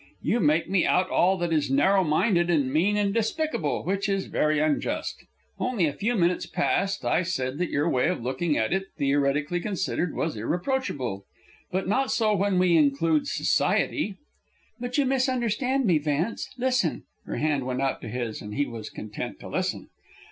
You make me out all that is narrow minded and mean and despicable, which is very unjust. Only a few minutes past I said that your way of looking at it, theoretically considered, was irreproachable. But not so when we include society." "But you misunderstand me, Vance. Listen." Her hand went out to his, and he was content to listen.